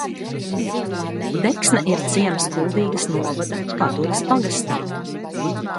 Deksne ir ciems Kuldīgas novada Padures pagastā.